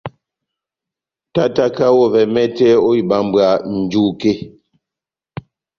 Tátáka ovɛ mɛtɛ ó ibambwa njuke.